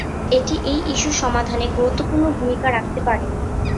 এটি এই ইস্যু সমাধানে গুরুত্বপূর্ণ ভূমিকা রাখতে পারে।